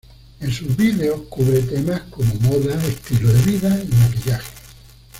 En sus vídeos cubre temas como moda, estilo de vida y maquillaje.